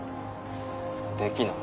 できない